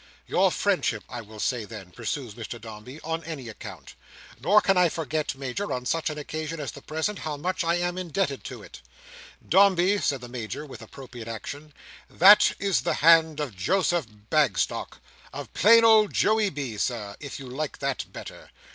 "Your friendship I will say then," pursues Mr Dombey, "on any account. Nor can I forget, Major, on such an occasion as the present, how much I am indebted to it." "Dombey," says the Major, with appropriate action, "that is the hand of Joseph Bagstock: of plain old Joey B., Sir, if you like that better!